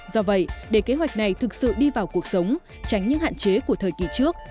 do vậy để kế hoạch này thực sự đi vào cuộc sống tránh những hạn chế của thời kỳ trước